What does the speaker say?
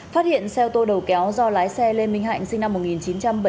phát hiện xe ô tô đầu kéo do lái xe lê minh hạnh sinh năm một nghìn chín trăm bảy mươi